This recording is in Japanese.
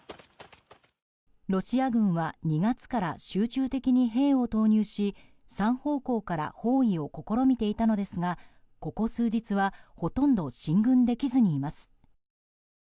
ロシア軍は２月から集中的に兵を投入し３方向から包囲を試みていたのですがここ数日はほとんど進軍できずにいます。